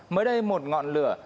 mới đây một ngọn lửa